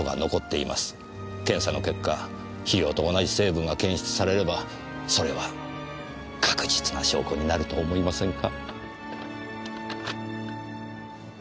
検査の結果肥料と同じ成分が検出されればそれは確実な証拠になると思いませんか？